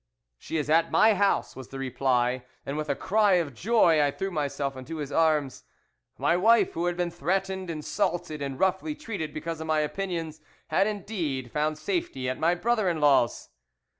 "'She is at my house,' was the reply, and with a cry of joy I threw myself into his arms. "My wife, who had been threatened, insulted, and roughly treated because of my opinions, had indeed found safety at my brother in law's.